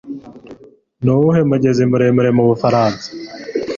Nuwuhe mugezi muremure mubufaransa